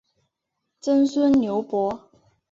曾孙刘洎。